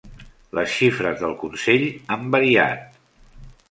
Les xifres del consell han variat.